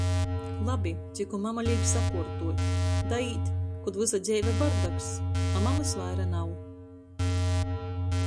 Labi, cikom mama līk sakuortuot. Daīt, kod vysa dzeive bardaks, a mamys vaira nav.